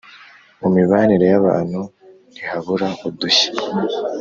mu mibanire y’abantu ntihabura udushya